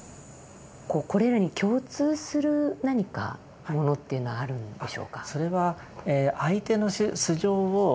これらに共通する何かものっていうのはあるんでしょうか。